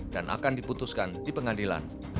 dan akan diputuskan di pengadilan